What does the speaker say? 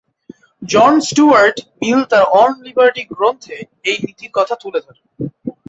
জন Stuart Mill তার "on liberty" গ্রন্থে এই নীতির কথা তুলে ধরেন।